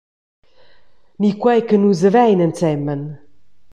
Ni quei che nus havein ensemen?